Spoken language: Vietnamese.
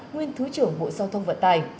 nguyên thứ trưởng bộ giao thông vận tài